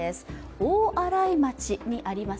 大洗町にあります